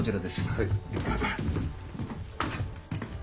はい。